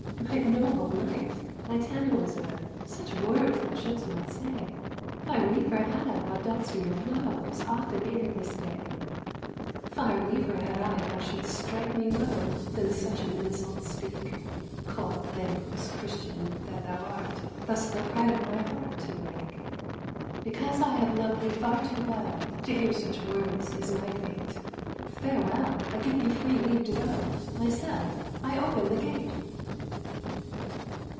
"My noble knight, my Tannhäuser, Such words thou should'st not say. Far liefer had I thou dealt'st me a blow, As often ere this day. "Far liefer had I thou should'st strike me low, Than such an insult speak; Cold, thankless Christian that thou art, Thus the pride of my heart to break. "Because I have loved thee far too well, To hear such words is my fate, Farewell! I give thee free leave to go. Myself, I open the gate!"